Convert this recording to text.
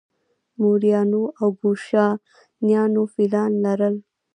موریانو او کوشانیانو فیلان لرل